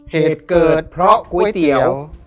เหตุเกิดเพราะก๋วยเตี๋ยว